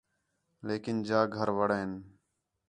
لیکن جا گھر ݙڳئن